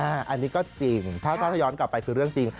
อันนี้ก็จริงถ้าย้อนกลับไปคือเรื่องจริง